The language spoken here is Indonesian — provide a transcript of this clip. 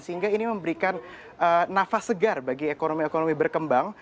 sehingga ini memberikan nafas segar bagi ekonomi ekonomi berkembang